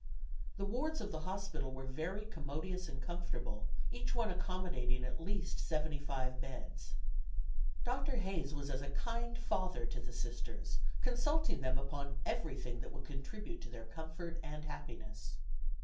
The wards of the hospital were very commodious and comfortable, each one accommodating at least seventy five beds. Dr. Hayes was as a kind father to the Sisters, consulting them upon everything that would contribute to their comfort and happiness.